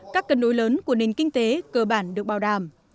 các cân đối lớn của nền kinh tế cơ bản được bảo đảm